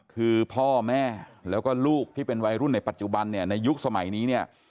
คือพ่อแม่แล้วก็ลูกที่เป็นวัยรุ่นในปัจจุบันเนี่ยในยุคสมัยนี้เนี่ย